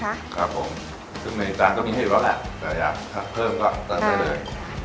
ครับครับผมซึ่งในจานก็มีให้เวลาแหละแต่อยากถ้าเพิ่มก็ตั้งใจเลย